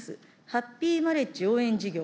ハッピーマリッジ応援事業。